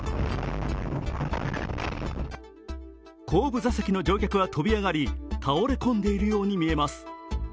後部座席の乗客は飛び上がり、倒れ込んでいるようにみえます。